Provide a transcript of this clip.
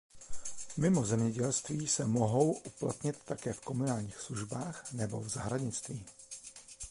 Mimo zemědělství se mohou uplatnit také v komunálních službách nebo v zahradnictví.